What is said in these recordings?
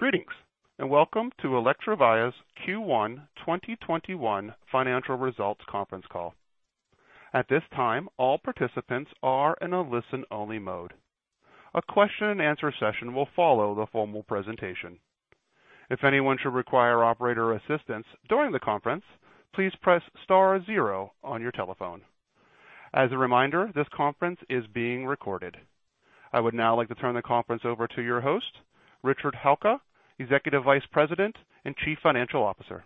Greetings, and welcome to Electrovaya's Q1 2021 Financial Results Conference Call. At this time, all participants are in a listen-only mode. A question-and-answer session will follow the formal presentation. If anyone should require operator assistance during the conference, please press star and zero on your telephone. As a reminder, this conference is being recorded. I would now like to turn the conference over to your host, Richard Halka, Executive Vice President and Chief Financial Officer.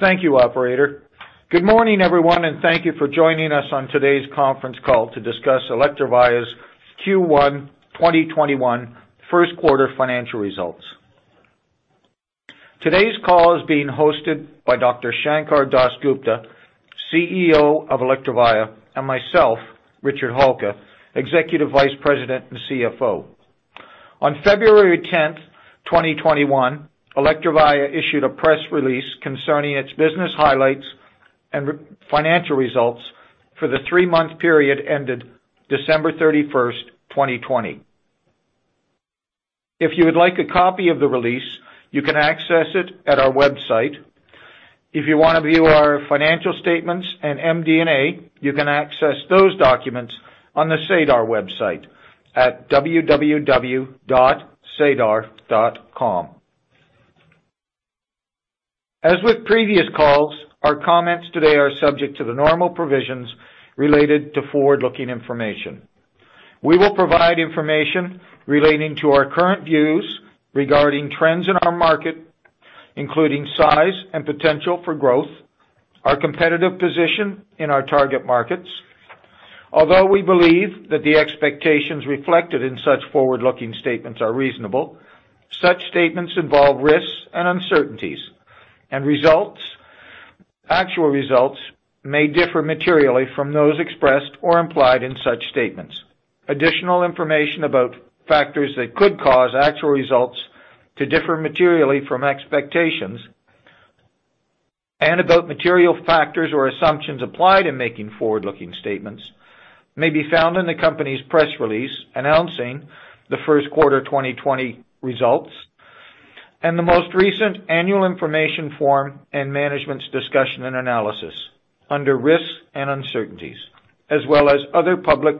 Thank you, operator. Good morning, everyone, thank you for joining us on today's conference call to discuss Electrovaya's Q1 2021 first quarter financial results. Today's call is being hosted by Dr. Sankar Das Gupta, CEO of Electrovaya, and myself, Richard Halka, Executive Vice President and CFO. On February 10th, 2021, Electrovaya issued a press release concerning its business highlights and financial results for the three-month period ended December 31st, 2020. If you would like a copy of the release, you can access it at our website. If you want to view our financial statements and MD&A, you can access those documents on the SEDAR website at www.sedar.com. As with previous calls, our comments today are subject to the normal provisions related to forward-looking information. We will provide information relating to our current views regarding trends in our market, including size and potential for growth, our competitive position in our target markets. Although we believe that the expectations reflected in such forward-looking statements are reasonable, such statements involve risks and uncertainties, and actual results may differ materially from those expressed or implied in such statements. Additional information about factors that could cause actual results to differ materially from expectations and about material factors or assumptions applied in making forward-looking statements may be found in the company's press release announcing the first quarter 2020 results and the most recent annual information form and management's discussion and analysis under risks and uncertainties, as well as other public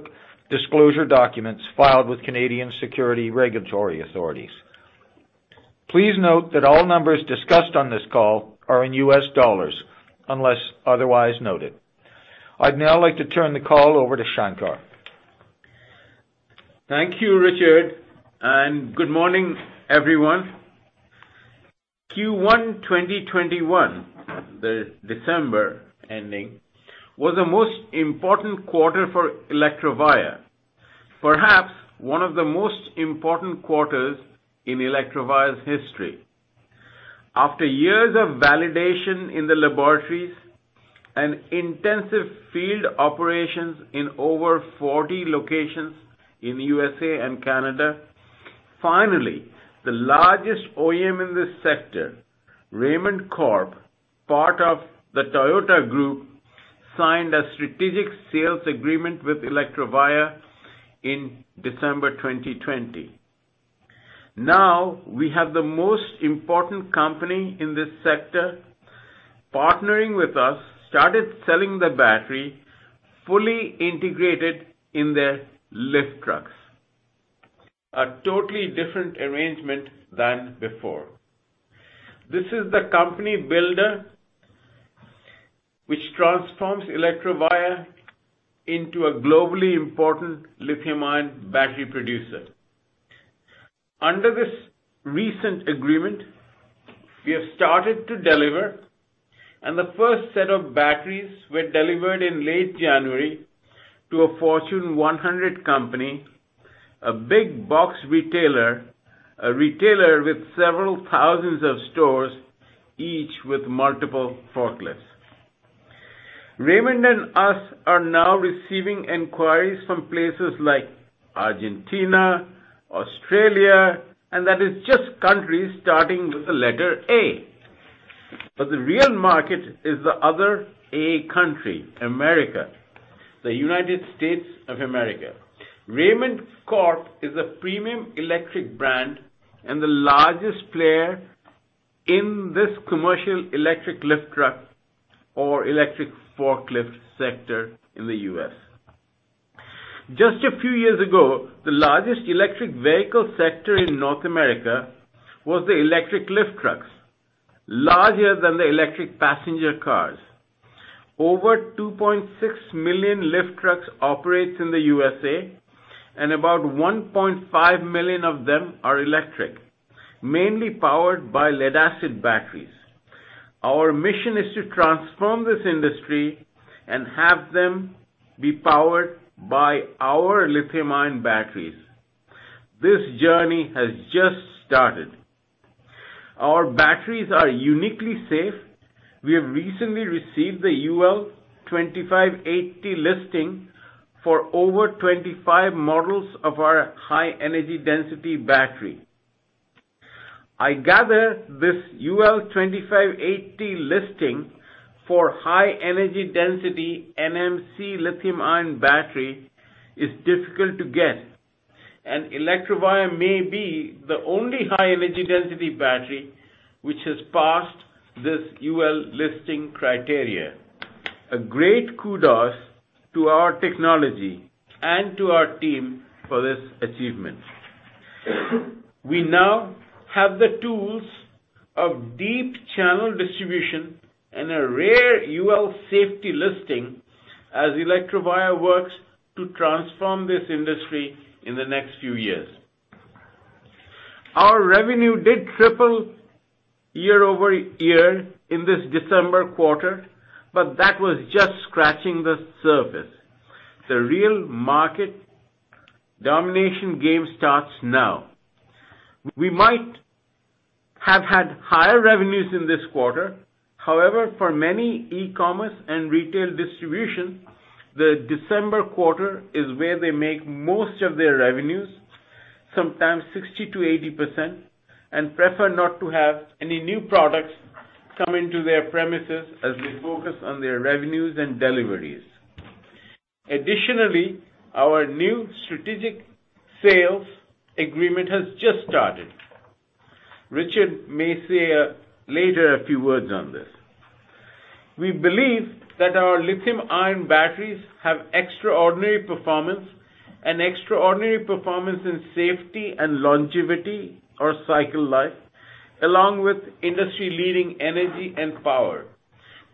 disclosure documents filed with Canadian security regulatory authorities. Please note that all numbers discussed on this call are in US dollars, unless otherwise noted. I'd now like to turn the call over to Sankar. Thank you, Richard, and good morning, everyone. Q1 2021, the December ending, was the most important quarter for Electrovaya, perhaps one of the most important quarters in Electrovaya's history. After years of validation in the laboratories and intensive field operations in over 40 locations in U.S. and Canada, finally, the largest OEM in this sector, Raymond Corp, part of the Toyota Group, signed a strategic sales agreement with Electrovaya in December 2020. We have the most important company in this sector partnering with us, started selling the battery fully integrated in their lift trucks, a totally different arrangement than before. This is the company builder which transforms Electrovaya into a globally important lithium-ion battery producer. Under this recent agreement, we have started to deliver, and the first set of batteries were delivered in late January to a Fortune 100 company, a big box retailer, a retailer with several thousands of stores, each with multiple forklifts. Raymond and us are now receiving inquiries from places like Argentina, Australia, and that is just countries starting with the letter A. The real market is the other A country, America, the United States of America. Raymond Corp is a premium electric brand and the largest player in this commercial electric lift truck or electric forklift sector in the U.S. Just a few years ago, the largest electric vehicle sector in North America was the electric lift trucks, larger than the electric passenger cars. Over 2.6 million lift trucks operates in the USA, and about 1.5 million of them are electric, mainly powered by lead-acid batteries. Our mission is to transform this industry and have them be powered by our lithium-ion batteries. This journey has just started. Our batteries are uniquely safe. We have recently received the UL 2580 listing for over 25 models of our high energy density battery. I gather this UL 2580 listing for high-energy density NMC lithium-ion battery is difficult to get, and Electrovaya may be the only high-energy density battery which has passed this UL listing criteria. A great kudos to our technology and to our team for this achievement. We now have the tools of deep channel distribution and a rare UL safety listing as Electrovaya works to transform this industry in the next few years. Our revenue did triple year-over-year in this December quarter, but that was just scratching the surface. The real market domination game starts now. We might have had higher revenues in this quarter, however, for many e-commerce and retail distribution, the December quarter is where they make most of their revenues, sometimes 60%-80%, and prefer not to have any new products come into their premises as they focus on their revenues and deliveries. Our new strategic sales agreement has just started. Richard may say later a few words on this. We believe that our lithium-ion batteries have extraordinary performance and extraordinary performance in safety and longevity or cycle life, along with industry-leading energy and power,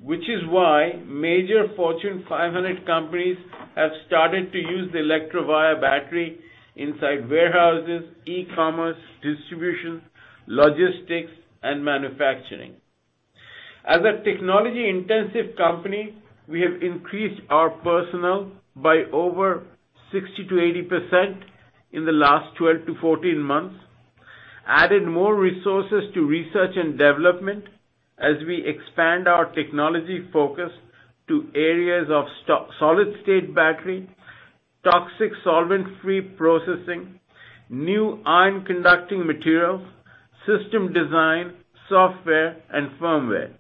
which is why major Fortune 500 companies have started to use the Electrovaya battery inside warehouses, e-commerce, distribution, logistics, and manufacturing. As a technology-intensive company, we have increased our personnel by over 60%-80% in the last 12-14 months, added more resources to research and development as we expand our technology focus to areas of solid-state battery, toxic solvent-free processing, new ion-conducting materials, system design, software, and firmware.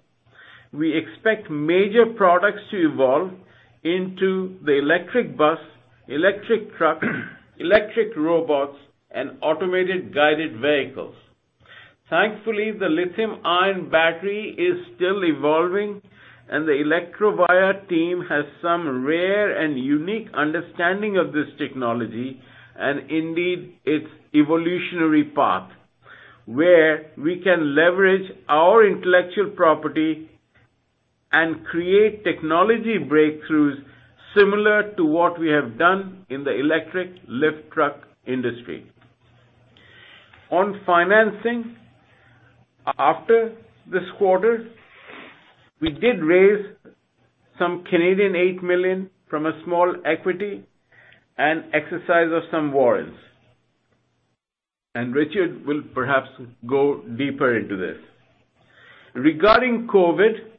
We expect major products to evolve into the electric bus, electric truck, electric robots, and automated guided vehicles. Thankfully, the lithium-ion battery is still evolving, and the Electrovaya team has some rare and unique understanding of this technology and indeed its evolutionary path, where we can leverage our intellectual property and create technology breakthroughs similar to what we have done in the electric lift truck industry. On financing, after this quarter, we did raise some 8 million from a small equity and exercise of some warrants. Richard will perhaps go deeper into this. Regarding COVID,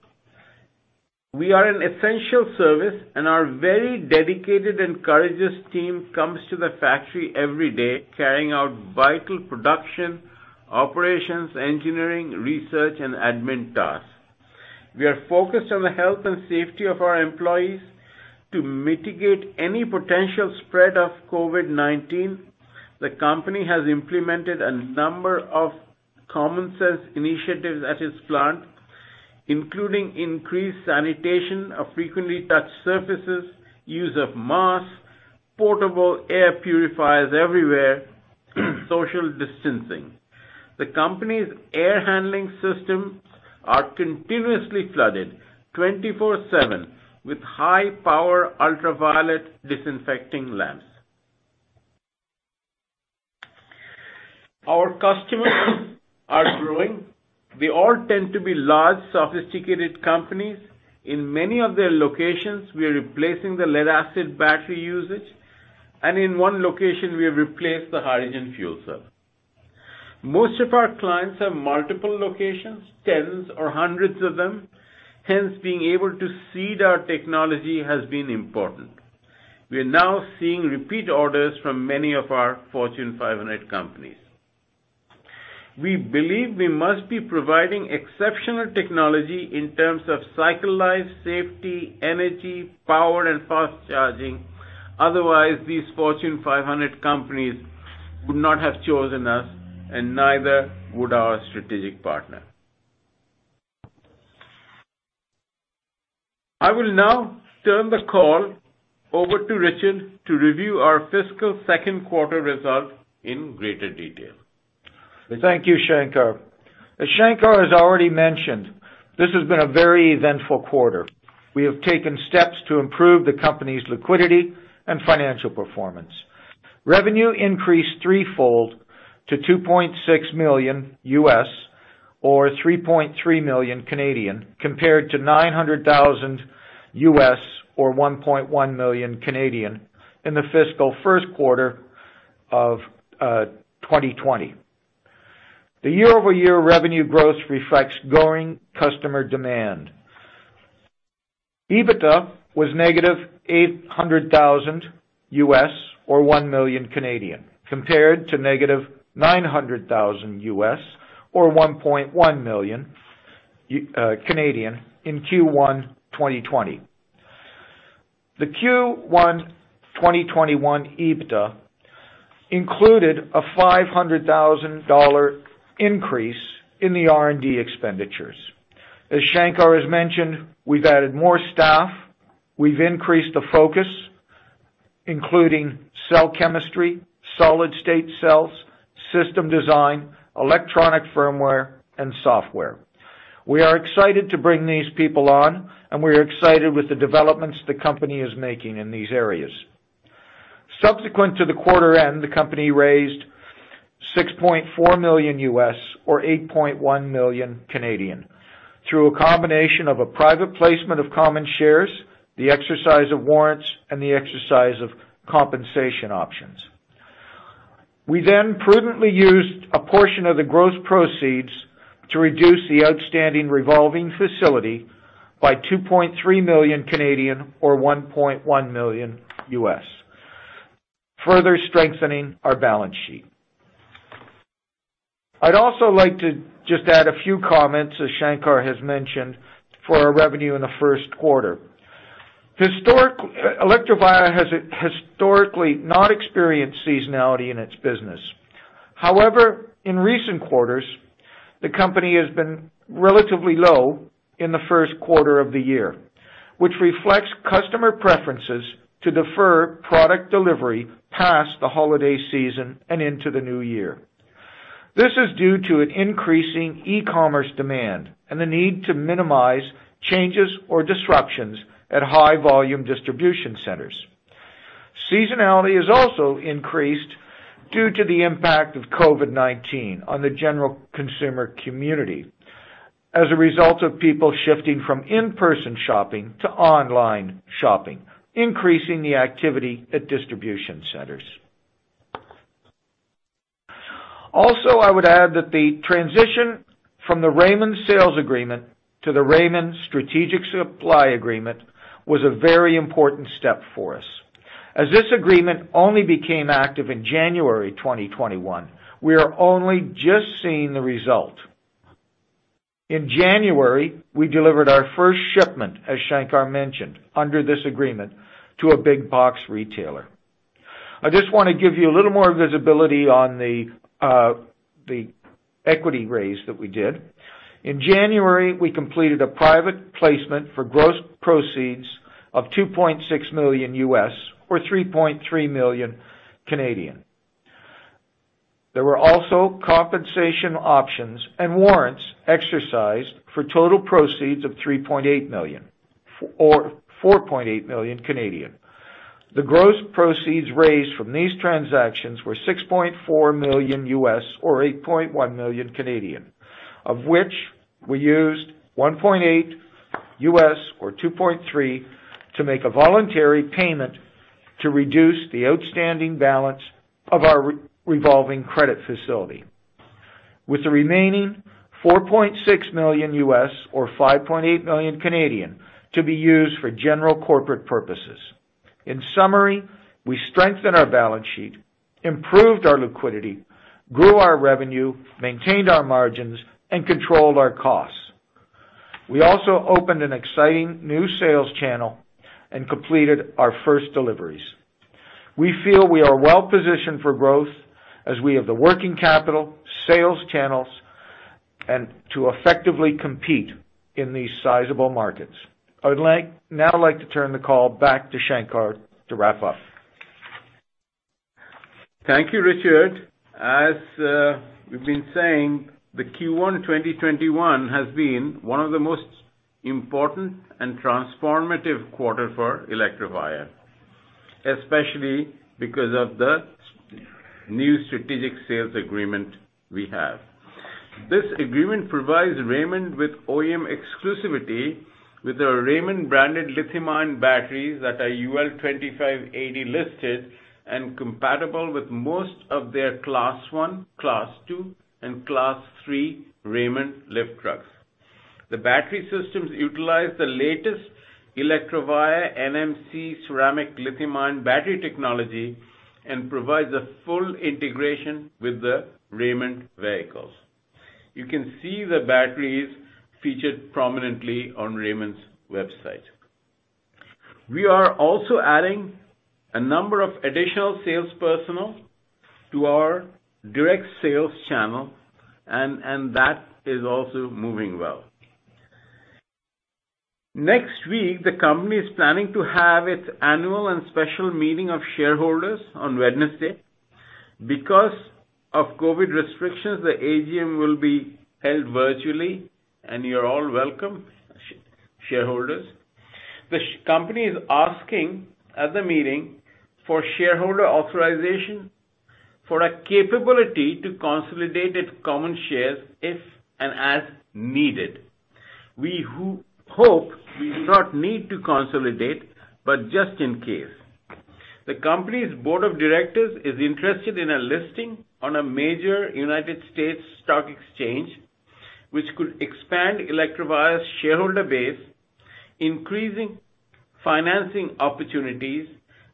we are an essential service and our very dedicated and courageous team comes to the factory every day carrying out vital production, operations, engineering, research, and admin tasks. We are focused on the health and safety of our employees to mitigate any potential spread of COVID-19. The company has implemented a number of common sense initiatives at its plant, including increased sanitation of frequently touched surfaces, use of masks, portable air purifiers everywhere, social distancing. The company's air handling systems are continuously flooded 24/7 with high-power ultraviolet disinfecting lamps. Our customers are growing. They all tend to be large, sophisticated companies. In many of their locations, we are replacing the lead acid battery usage, and in one location, we have replaced the hydrogen fuel cell. Most of our clients have multiple locations, tens or hundreds of them. Hence, being able to seed our technology has been important. We are now seeing repeat orders from many of our Fortune 500 companies. We believe we must be providing exceptional technology in terms of cycle life, safety, energy, power, and fast charging. Otherwise, these Fortune 500 companies would not have chosen us, and neither would our strategic partner. I will now turn the call over to Richard to review our fiscal second quarter results in greater detail. Thank you, Sankar. As Sankar has already mentioned, this has been a very eventful quarter. We have taken steps to improve the company's liquidity and financial performance. Revenue increased threefold to $2.6 million or 3.3 million, compared to $900,000 or 1.1 million in the fiscal first quarter of 2020. The year-over-year revenue growth reflects growing customer demand. EBITDA was negative $800,000, or 1 million, compared to negative $900,000, or 1.1 million in Q1 2020. The Q1 2021 EBITDA included a $500,000 increase in the R&D expenditures. As Sankar has mentioned, we've added more staff, we've increased the focus, including cell chemistry, solid-state cells, system design, electronic firmware, and software. We are excited to bring these people on, and we're excited with the developments the company is making in these areas. Subsequent to the quarter end, the company raised $6.4 million U.S., or 8.1 million, through a combination of a private placement of common shares, the exercise of warrants, and the exercise of compensation options. We prudently used a portion of the gross proceeds to reduce the outstanding revolving facility by 2.3 million, or $1.1 million U.S., further strengthening our balance sheet. I'd also like to just add a few comments, as Sankar has mentioned, for our revenue in the first quarter. Electrovaya has historically not experienced seasonality in its business. However, in recent quarters, the company has been relatively low in the first quarter of the year, which reflects customer preferences to defer product delivery past the holiday season and into the new year. This is due to an increasing e-commerce demand and the need to minimize changes or disruptions at high-volume distribution centers. Seasonality has also increased due to the impact of COVID-19 on the general consumer community as a result of people shifting from in-person shopping to online shopping, increasing the activity at distribution centers. I would add that the transition from the Raymond sales agreement to the Raymond strategic supply agreement was a very important step for us. This agreement only became active in January 2021, we are only just seeing the result. In January, we delivered our first shipment, as Sankar mentioned, under this agreement to a big box retailer. I just want to give you a little more visibility on the equity raise that we did. In January, we completed a private placement for gross proceeds of $2.6 million or 3.3 million. There were also compensation options and warrants exercised for total proceeds of $3.8 million or 4.8 million. The gross proceeds raised from these transactions were $6.4 million, or 8.1 million, of which we used $1.8, or 2.3 to make a voluntary payment to reduce the outstanding balance of our revolving credit facility, with the remaining $4.6 million, or 5.8 million, to be used for general corporate purposes. In summary, we strengthened our balance sheet, improved our liquidity, grew our revenue, maintained our margins, and controlled our costs. We also opened an exciting new sales channel and completed our first deliveries. We feel we are well-positioned for growth as we have the working capital, sales channels, and to effectively compete in these sizable markets. I'd now like to turn the call back to Sankar to wrap up. Thank you, Richard. As we've been saying, the Q1 2021 has been one of the most important and transformative quarter for Electrovaya, especially because of the new strategic sales agreement we have. This agreement provides Raymond with OEM exclusivity with their Raymond-branded lithium-ion batteries that are UL 2580 listed and compatible with most of their Class I, Class II, and Class III Raymond lift trucks. The battery systems utilize the latest Electrovaya NMC ceramic lithium-ion battery technology and provides a full integration with the Raymond vehicles. You can see the batteries featured prominently on Raymond's website. We are also adding a number of additional sales personnel to our direct sales channel, and that is also moving well. Next week, the company is planning to have its annual and special meeting of shareholders on Wednesday. Because of COVID restrictions, the AGM will be held virtually, and you're all welcome, shareholders. The company is asking at the meeting for shareholder authorization for a capability to consolidate its common shares if and as needed. We hope we do not need to consolidate, but just in case. The company's board of directors is interested in a listing on a major United States stock exchange, which could expand Electrovaya's shareholder base, increasing financing opportunities,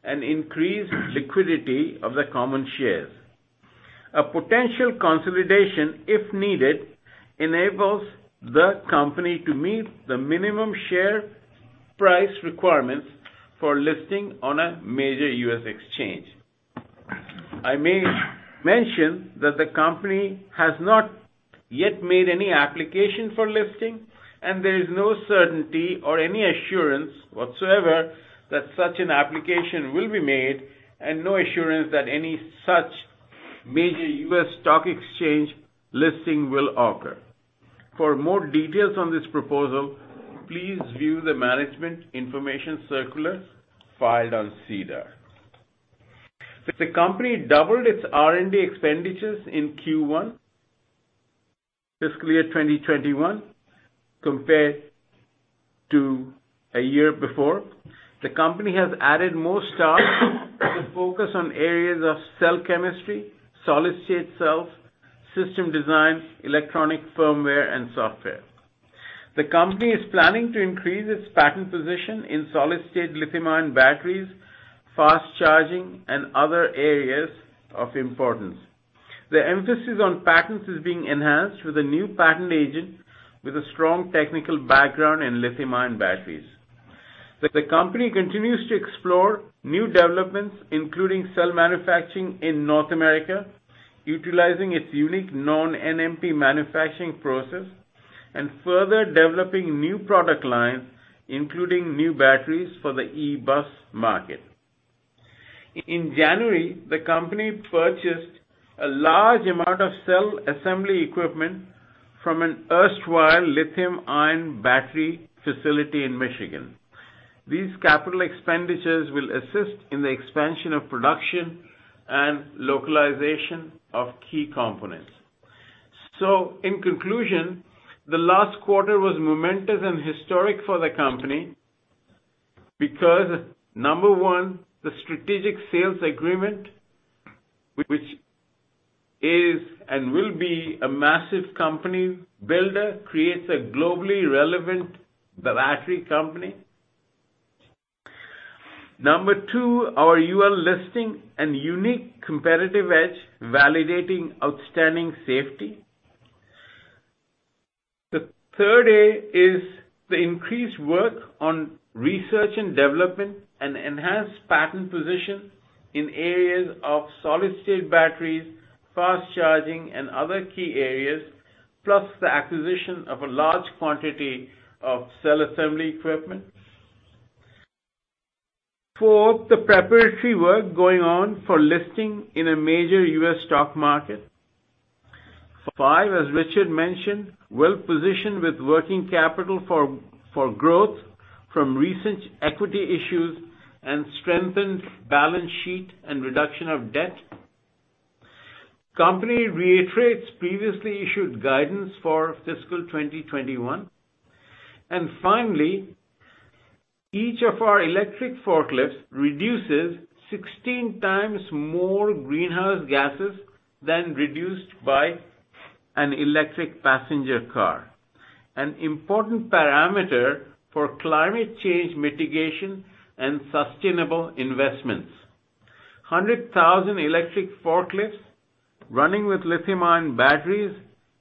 and increase liquidity of the common shares. A potential consolidation, if needed, enables the company to meet the minimum share price requirements for listing on a major U.S. exchange. I may mention that the company has not yet made any application for listing, and there is no certainty or any assurance whatsoever that such an application will be made, and no assurance that any such major U.S. stock exchange listing will occur. For more details on this proposal, please view the management information circular filed on SEDAR. The company doubled its R&D expenditures in Q1 fiscal year 2021 compared to a year before. The company has added more staff with a focus on areas of cell chemistry, solid-state cells, system design, electronic firmware, and software. The company is planning to increase its patent position in solid-state lithium-ion batteries, fast charging, and other areas of importance. The emphasis on patents is being enhanced with a new patent agent with a strong technical background in lithium-ion batteries. The company continues to explore new developments, including cell manufacturing in North America, utilizing its unique non-NMP manufacturing process and further developing new product lines, including new batteries for the e-bus market. In January, the company purchased a large amount of cell assembly equipment from an erstwhile lithium-ion battery facility in Michigan. These capital expenditures will assist in the expansion of production and localization of key components. In conclusion, the last quarter was momentous and historic for the company because, number one, the strategic sales agreement, which is and will be a massive company builder, creates a globally relevant battery company. Number two, our UL listing and unique competitive edge validating outstanding safety. The third is the increased work on research and development and enhanced patent position in areas of solid-state batteries, fast charging, and other key areas, plus the acquisition of a large quantity of cell assembly equipment. Four, the preparatory work going on for listing in a major U.S. stock market. Five, as Richard mentioned, well-positioned with working capital for growth from recent equity issues and strengthened balance sheet and reduction of debt. Company reiterates previously issued guidance for fiscal 2021. Finally, each of our electric forklifts reduces 16x more greenhouse gases than reduced by an electric passenger car, an important parameter for climate change mitigation and sustainable investments. 100,000 electric forklifts running with lithium-ion batteries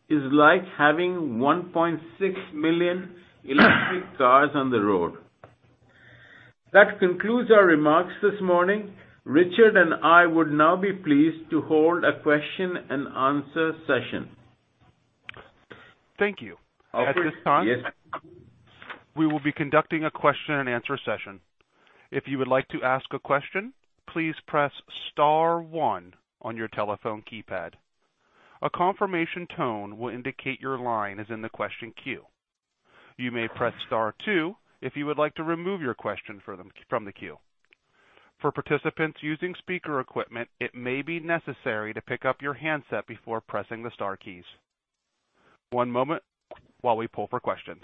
is like having 1.6 million electric cars on the road. That concludes our remarks this morning. Richard and I would now be pleased to hold a question-and-answer session. Thank you. At this time, we will be conducting a question-and-answer session. If you would like to ask a question, please press star one on your telephone keypad. A confirmation tone will indicate your line is in the question queue. You may press star two if you would like to remove your question from the queue. For participants using speaker equipment, it may be necessary to pick up your handset before pressing the star keys. One moment while we poll for questions.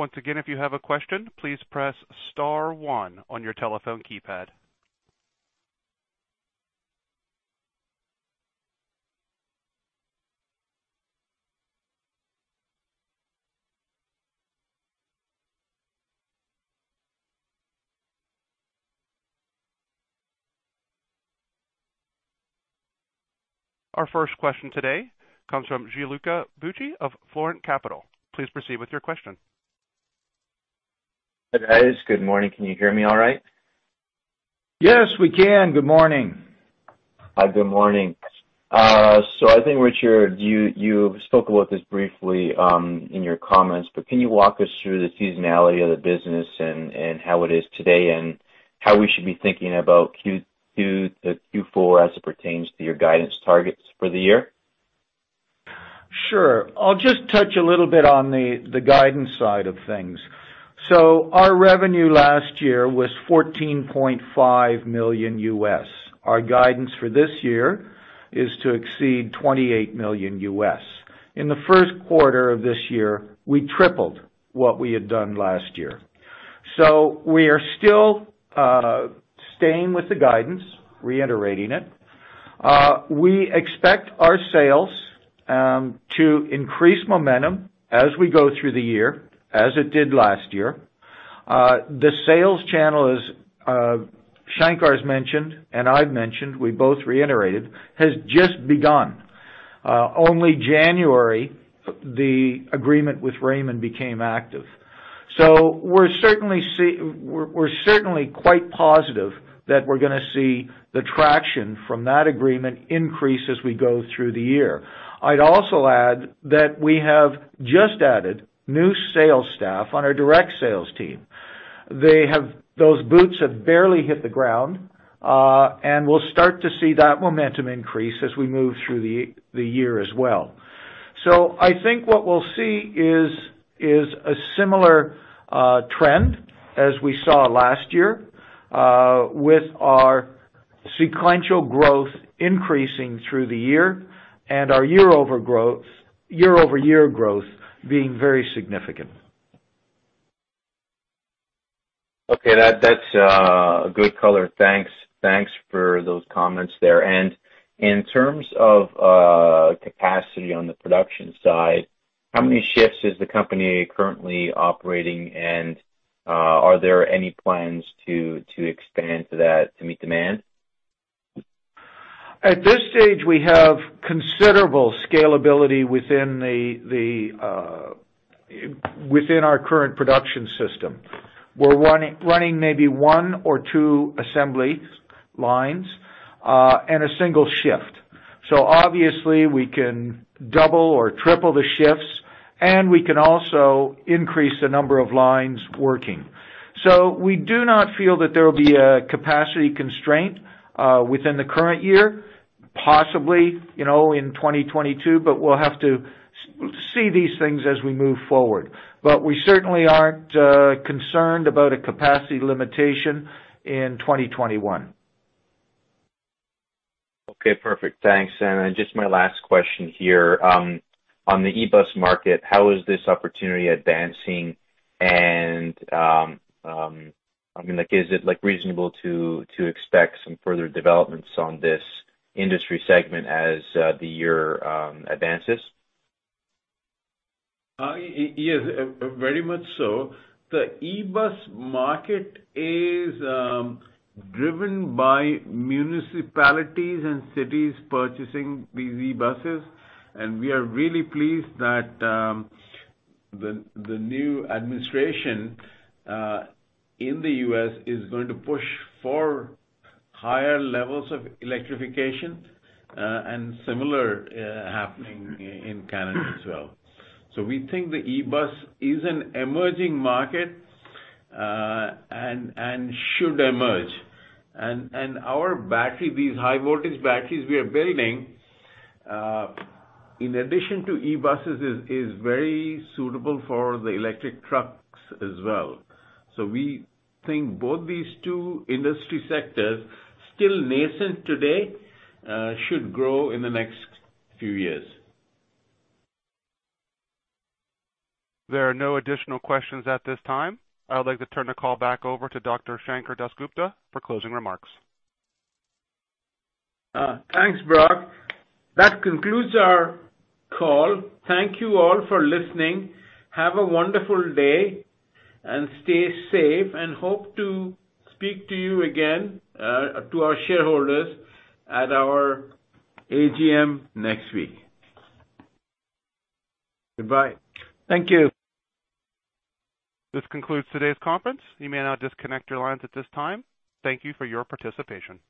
Once again, if you have a question, please press star one on your telephone keypad. Our first question today comes from Gianluca Tucci of Torrent Capital. Please proceed with your question. Hi, guys. Good morning. Can you hear me all right? Yes, we can. Good morning. Hi, good morning. Richard, you spoke about this briefly in your comments, but can you walk us through the seasonality of the business and how it is today, and how we should be thinking about Q2 to Q4 as it pertains to your guidance targets for the year? Sure. I'll just touch a little bit on the guidance side of things. Our revenue last year was $14.5 million. Our guidance for this year is to exceed $28 million. In the first quarter of this year, we tripled what we had done last year. We are still staying with the guidance, reiterating it. We expect our sales to increase momentum as we go through the year, as it did last year. The sales channel, as Sankar has mentioned and I've mentioned, we both reiterated, has just begun. Only January, the agreement with Raymond became active. We're certainly quite positive that we're going to see the traction from that agreement increase as we go through the year. I'd also add that we have just added new sales staff on our direct sales team. Those boots have barely hit the ground, and we'll start to see that momentum increase as we move through the year as well. I think what we'll see is a similar trend as we saw last year, with our sequential growth increasing through the year and our year-over-year growth being very significant. Okay. That's a good color. Thanks for those comments there. In terms of capacity on the production side, how many shifts is the company currently operating? Are there any plans to expand to that to meet demand? At this stage, we have considerable scalability within our current production system. We're running maybe one or two assembly lines, and a single shift. Obviously, we can double or triple the shifts, and we can also increase the number of lines working. We do not feel that there will be a capacity constraint within the current year, possibly in 2022, but we'll have to see these things as we move forward. We certainly aren't concerned about a capacity limitation in 2021. Okay, perfect. Thanks. Just my last question here. On the e-bus market, how is this opportunity advancing? Is it reasonable to expect some further developments on this industry segment as the year advances? Yes, very much so. The e-bus market is driven by municipalities and cities purchasing these e-buses, and we are really pleased that the new administration in the U.S. is going to push for higher levels of electrification, and similar happening in Canada as well. We think the e-bus is an emerging market, and should emerge. Our battery, these high-voltage batteries we are building, in addition to e-buses, is very suitable for the electric trucks as well. We think both these two industry sectors, still nascent today, should grow in the next few years. There are no additional questions at this time. I would like to turn the call back over to Dr. Sankar Das Gupta for closing remarks. Thanks, Brock. That concludes our call. Thank you all for listening. Have a wonderful day, and stay safe, and hope to speak to you again, to our shareholders at our AGM next week. Goodbye. Thank you. This concludes today's conference. You may now disconnect your lines at this time. Thank you for your participation.